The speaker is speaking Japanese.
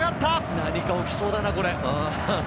何か起きそうだな。